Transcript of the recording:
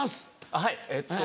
はいえっと